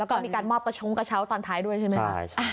แล้วก็มีการมอบกระชงกระเช้าตอนท้ายด้วยใช่ไหมครับ